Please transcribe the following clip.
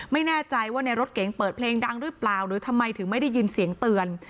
ไม่แน่ใจว่าในรถเก๋งเปิดเพลงดังหรือเปล่าหรือทำไมถึงไม่ได้ยินเสียงเตือน